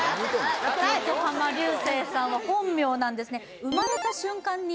横浜流星さんは本名なんですね